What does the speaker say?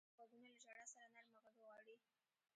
غوږونه له ژړا سره نرمه غږ غواړي